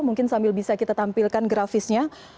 mungkin sambil bisa kita tampilkan grafisnya